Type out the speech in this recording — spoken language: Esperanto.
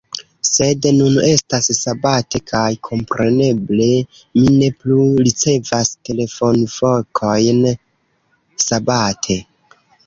Sed nun estas Sabate, kaj kompreneble mi ne plu ricevas telefonvokojn Sabate.